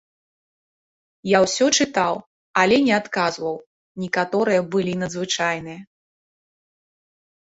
Я ўсё чытаў, але не адказваў, некаторыя былі надзвычайныя.